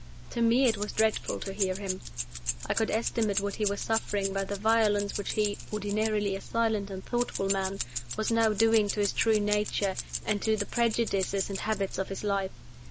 To me it was dreadful to hear him. I could estimate what he was suffering by the violence which he ordinarily a silent and thoughtful man was now doing to his true nature, and to the prejudices and habits of his life.